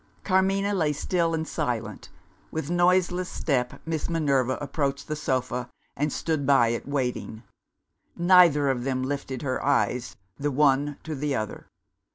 Carmina lay still and silent. With noiseless step, Miss Minerva approached the sofa, and stood by it, waiting. Neither of them lifted her eyes, the one to the other.